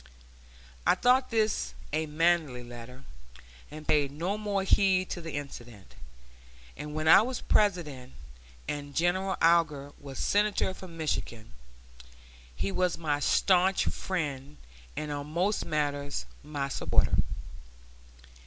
I thought this a manly letter, and paid no more heed to the incident; and when I was President, and General Alger was Senator from Michigan, he was my stanch friend and on most matters my supporter.